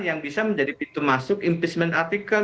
yang bisa menjadi pintu masuk impeachment artikel